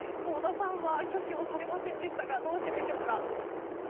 香田さんは挙手をされませんでしたがどうしてでしょうか？